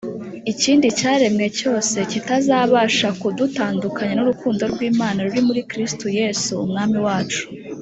ikindi cyaremwe cyose, kitazabasha kudutandukanya n'urukundo rw'Imana ruri muri Kristo Yesu Umwami wacu